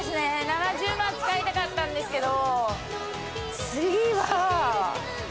７０万使いたかったんですけど。